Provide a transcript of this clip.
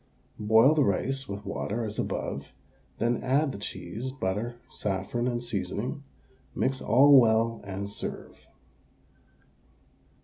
Boil the rice with water as above, then add the cheese, butter, saffron, and seasoning; mix all well, and serve.